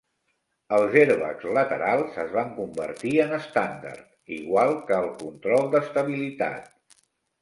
Els airbags laterals es van convertir en estàndard, igual que el control d'estabilitat.